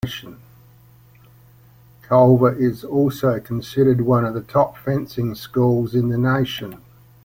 Culver is also considered one of the top fencing schools in the nation.